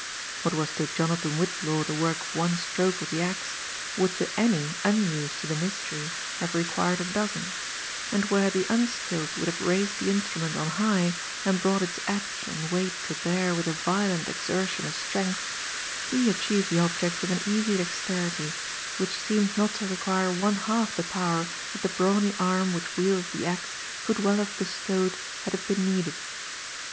What was to Jonathan Whillaw the work of one stwke of tM axe, would to any unused to the mystery have required d dozen ; aA4 where the unskilled would have raised the instrument on high^ ami brought its edge and weight to hear with a violent eierfion of stf^^n^H, be achieved the object with an easy dexterity, whieh seemed not to require one half the power that the brawny arnt which wielded the aie^ could well have bestowed had it been needed.